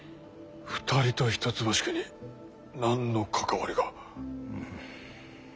２人と一橋家に何の関わりが。